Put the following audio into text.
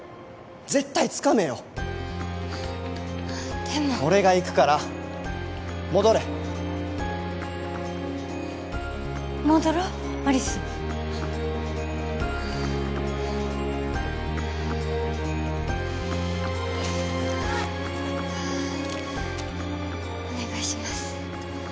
絶対つかめよでも俺が行くから戻れ戻ろう有栖お願いします